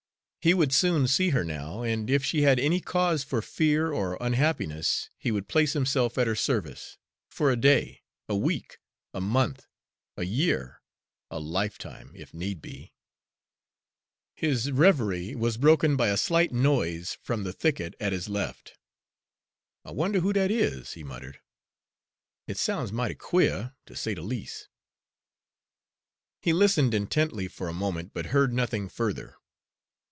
He would soon see her now, and if she had any cause for fear or unhappiness, he would place himself at her service for a day, a week, a month, a year, a lifetime, if need be. His reverie was broken by a slight noise from the thicket at his left. "I wonder who dat is?" he muttered. "It soun's mighty quare, ter say de leas'." He listened intently for a moment, but heard nothing further.